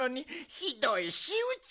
ひどいしうち！